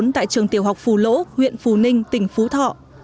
tại trường tiểu học phù lỗ huyện phù ninh tỉnh phú thọ